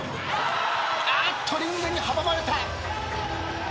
あっとリングに阻まれた。